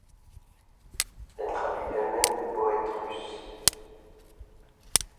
Elle traduit elle-même des poètes russes.